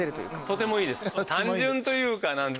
とてもいいです。